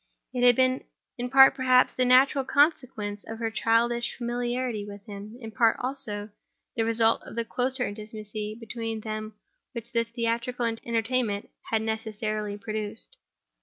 It had been in part, perhaps, the natural consequence of her childish familiarity with him; in part, also, the result of the closer intimacy between them which the theatrical entertainment had necessarily produced.